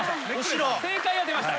正解出ました。